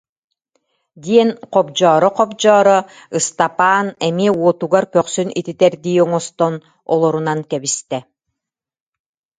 диэн хобдьооро-хобдьооро, Ыстапаан эмиэ уотугар көхсүн ититэрдии оҥостон олорунан кэбистэ